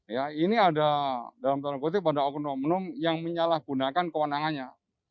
ya ini ada dalam tanda kutip pada oknum oknum yang menyalahgunakan kewenangannya